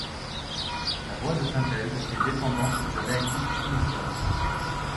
La voie de synthèse est dépendante du réactif initial.